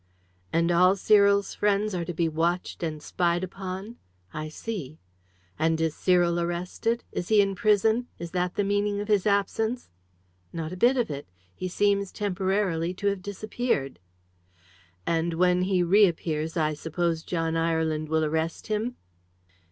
"And all Cyril's friends are to be watched and spied upon? I see. And is Cyril arrested? Is he in prison? Is that the meaning of his absence?" "Not a bit of it. He seems, temporarily, to have disappeared." "And when he reappears I suppose John Ireland will arrest him?"